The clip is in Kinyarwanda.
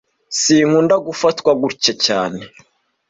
Sinkunda gufatwa gutya cyane